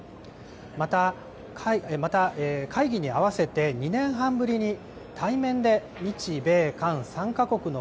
また会議に合わせて２年半ぶりに対面で日米韓３か国の